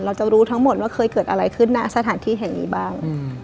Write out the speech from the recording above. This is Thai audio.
เราจะรู้ทั้งหมดว่าเคยเกิดอะไรขึ้นหน้าสถานที่แห่งนี้บ้าง